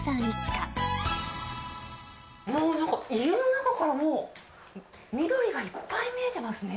家の中からもう緑がいっぱい見えてますね。